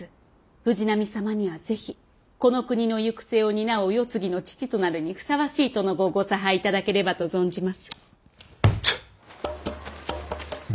藤波様にはぜひこの国の行く末を担うお世継ぎの父となるにふさわしい殿御をご差配頂ければと存じます。